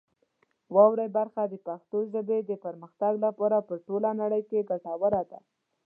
واورئ برخه د پښتو ژبې د پرمختګ لپاره په ټوله نړۍ کې ګټوره ده.